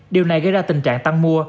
điều này gây ra tình trạng tăng mua